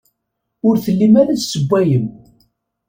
Ur tellim ara tessewwayem.